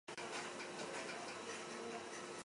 Asteburuan Bilbotik Malagara joango naiz hegazkinez.